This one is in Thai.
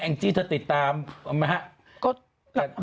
แองจี้เธอติดตามไหมฮะ